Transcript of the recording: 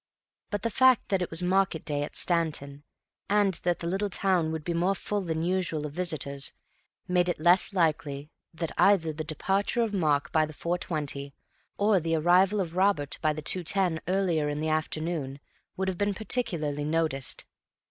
But the fact that it was market day at Stanton, and that the little town would be more full than usual of visitors, made it less likely that either the departure of Mark by the 4.20, or the arrival of Robert by the 2.10 earlier in the afternoon, would have been particularly noticed.